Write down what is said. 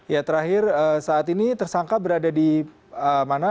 ya terakhir saat ini tersangka berada di mana